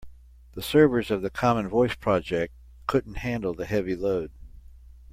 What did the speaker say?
The servers of the common voice project couldn't handle the heavy load.